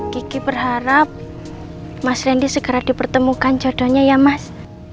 kiki berharap mas randy segera dipertemukan jodohnya ya mas